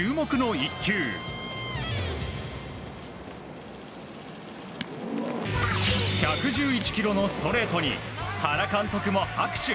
１１１キロのストレートに原監督も拍手。